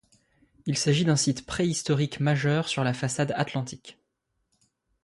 Il s’agit d’un site préhistorique majeur sur la façade atlantique.